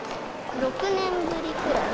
６年ぶりくらい。